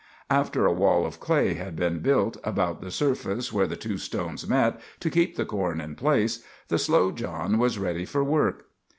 After a wall of clay had been built about the surface where the two stones met, to keep the corn in place, the Slow John was ready for work.